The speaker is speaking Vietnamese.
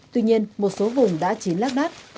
tuy nhiên một số vùng đã chín lắc đắc